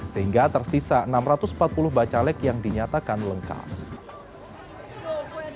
sehingga tersisa enam ratus empat puluh bacalek yang dinyatakan lengkap